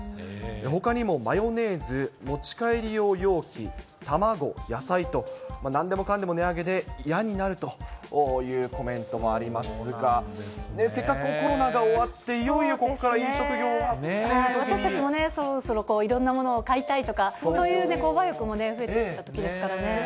ほかにもマヨネーズ、持ち帰り用容器、卵、野菜と、なんでもかんでも値上げで、嫌になるというコメントもありますが、せっかくコロナが終わって、いよいよここか私たちもね、そろそろいろんなものを買いたいとか、そういう購買意欲も増えてきたときですか